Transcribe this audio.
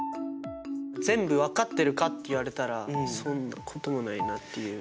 全部分かってるかっていわれたらそんなこともないなっていう。